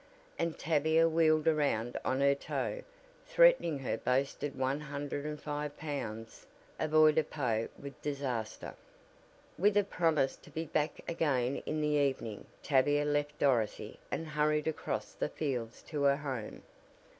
and Tavia wheeled around on her toe, threatening her boasted one hundred and five pounds avoirdupois with disaster. With a promise to be back again in the evening Tavia left Dorothy and hurried across the fields to her home.